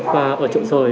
và ở trộn rời